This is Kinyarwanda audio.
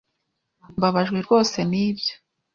Mbabajwe rwose nibyo.